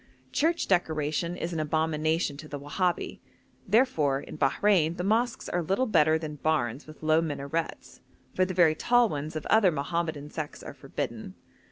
Church decoration is an abomination to the Wahabi; therefore, in Bahrein the mosques are little better than barns with low minarets, for the very tall ones of other Mohammedan sects are forbidden.